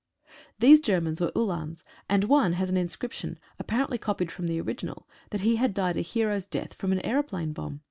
These Germans were Uhlans, and one has an in scription, apparently copied from the original, that he had died a hero's death, from an aeroplane bomb.